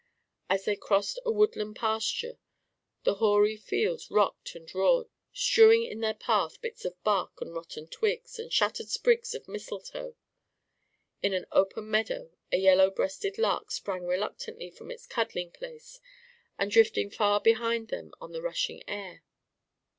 As they crossed a woodland pasture the hoary trees rocked and roared, strewing in their path bits of bark and rotten twigs and shattered sprigs of mistletoe. In an open meadow a yellow breasted lark sprang reluctantly from its cuddling place and drifted far behind them on the rushing air.